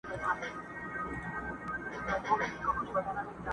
تر ښایست دي پر آواز باندي مین یم٫